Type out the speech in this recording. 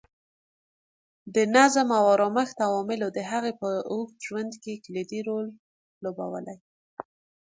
د نظم او ارامښت عواملو د هغې په اوږد ژوند کې کلیدي رول لوبولی.